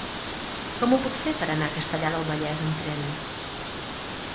Com ho puc fer per anar a Castellar del Vallès amb tren?